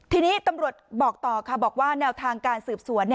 ทีนี้ตำรวจบอกต่อค่ะบอกว่าแนวทางการสืบสวน